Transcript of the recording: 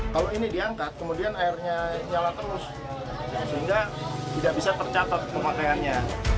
kalau ini diangkat kemudian airnya nyala terus sehingga tidak bisa tercatat pemakaiannya